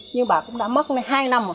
nhưng bà cũng đã mất hai năm rồi